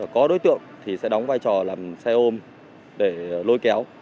có đối tượng thì sẽ đóng vai trò làm xe ôm để lôi kéo